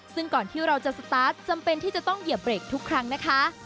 ซึ่งก่อนที่เราจะสตาร์ทจำเป็นที่จะต้องเหยียบเบรกทุกครั้งนะคะ